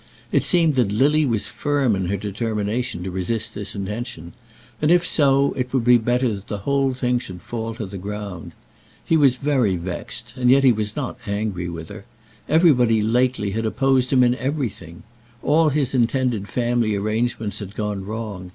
It seemed that Lily was firm in her determination to resist this intention; and, if so, it would be better that the whole thing should fall to the ground. He was very vexed, and yet he was not angry with her. Everybody lately had opposed him in everything. All his intended family arrangements had gone wrong.